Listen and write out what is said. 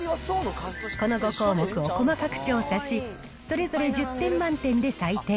この５項目を細かく調査し、それぞれ１０点満点で採点。